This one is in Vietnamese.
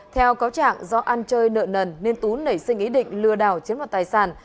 theo cáo trạng do ăn chơi nợ nần nên tú nảy sinh ý định lừa đảo chiếm đoạt tài sản